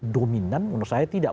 dominan menurut saya tidak